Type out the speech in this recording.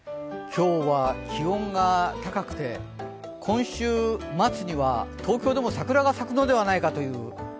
今日は気温が高くて今週末には東京でも桜が咲くのではないかという。